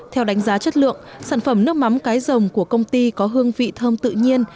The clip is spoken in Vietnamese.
theo đánh giá chất lượng sản phẩm nước mắm cái rồng của công ty có hương vị thơm tự nhiên